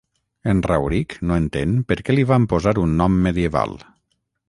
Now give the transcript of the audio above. En Rauric no entén per què li van posar un nom medieval.